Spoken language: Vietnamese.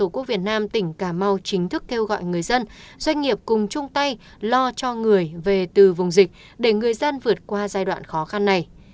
cà mau chính thức kêu gọi người dân doanh nghiệp cùng chung tay lo cho người về từ vùng dịch để người dân vượt qua giai đoạn khó khăn này